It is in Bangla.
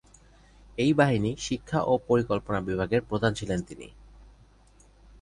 এই বাহিনী শিক্ষা ও পরিকল্পনা বিভাগের প্রধান ছিলেন তিনি।